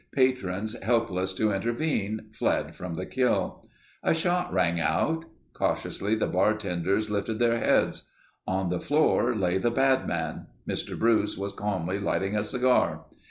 Patrons helpless to intervene, fled from the kill. A shot rang out. Cautiously, the bartenders lifted their heads. On the floor lay the bad man. Mr. Bruce was calmly lighting a cigar.